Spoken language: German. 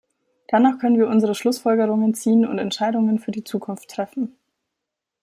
Danach können wir unsere Schlussfolgerungen ziehen und Entscheidungen für die Zukunft treffen.